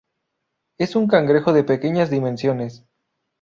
Es un cangrejo de pequeñas dimensiones.